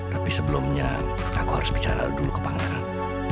tapi sebelumnya aku harus bicara dulu ke pangkalan